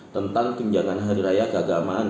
tentang tunjangan hari raya keagamaan